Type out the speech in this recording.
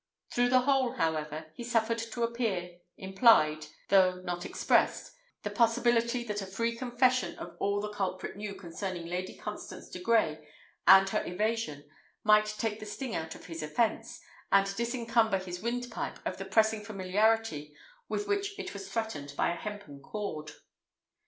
Through the whole, however, he suffered to appear, implied, though not expressed, the possibility that a free confession of all the culprit knew concerning Lady Constance de Grey and her evasion might take the sting out of his offence, and disencumber his windpipe of the pressing familiarity with which it was threatened by a hempen cord.